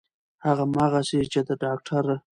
همغسې چې د داکتر